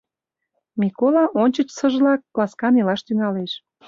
Микола ончычсыжлак ласкан илаш тӱҥалеш.